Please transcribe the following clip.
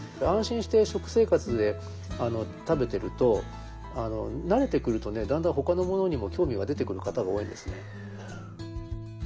安心して食生活で食べてると慣れてくるとだんだんほかのものにも興味が出てくる方が多いんですね。